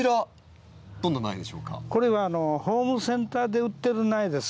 これはホームセンターで売ってる苗です。